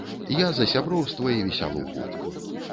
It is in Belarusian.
Я за сяброўства і весялуху.